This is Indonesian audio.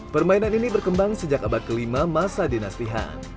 permainan ini berkembang sejak abad kelima masa dinastihan